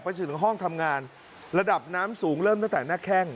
ถึงห้องทำงานระดับน้ำสูงเริ่มตั้งแต่หน้าแข้ง